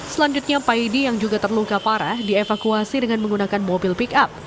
selanjutnya pak idi yang juga terluka parah dievakuasi dengan menggunakan mobil pickup